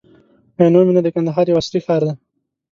عینو مېنه د کندهار یو عصري ښار دی.